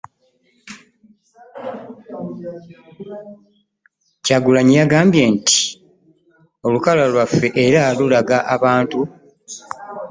Kyagulanyi yagambye nti, ''Olukalala lwaffe era lulaga abantu abakomezeddwawo n’ebisago eby'amaanyi wamu n'abo abattiddwa.”